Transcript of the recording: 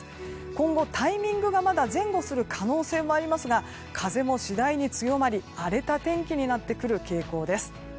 今後、タイミングがまだ前後する可能性もありますが風も次第に強まり、荒れた天気になってくる傾向です。